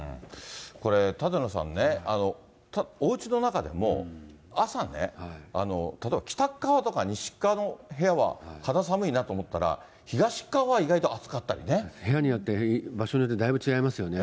これ、舘野さんね、おうちの中でも、朝ね、例えば北側とか西側の部屋は肌寒いなと思ったら、部屋によって、場所によってだいぶ違いますよね。